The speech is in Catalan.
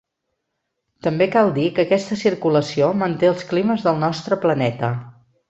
També cal dir que aquesta circulació manté els climes del nostre planeta.